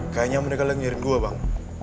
kayaknya mereka lagi nyariin gue bang